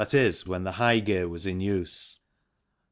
e. when the high gear was in use.